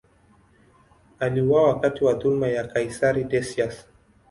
Aliuawa wakati wa dhuluma ya kaisari Decius.